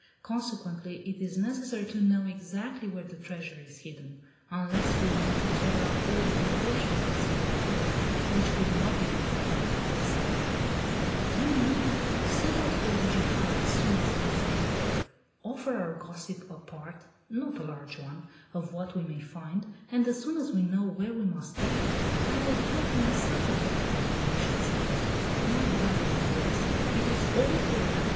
Consequently, it is necessary to know exactly where the treasure is hidden, unless we want to tear up all the foundation walls of the tower, which could not be done without outside help." "No no; set out for Ugijar as soon as it is daybreak. Offer our gossip a part not a large one of what we may find, and as soon as we know where we must dig, I will help you myself to tear up the foundation stones. My darling boys! It is all for them!